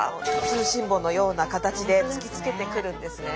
通信簿のような形で突きつけてくるんですね。